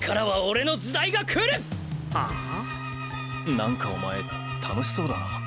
なんかお前楽しそうだな。